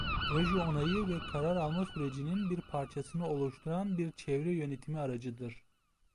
Proje onayı ve karar alma sürecinin bir parçasını oluşturan bir çevre yönetimi aracıdır.